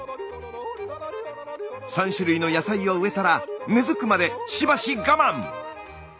３種類の野菜を植えたら根づくまでしばし我慢！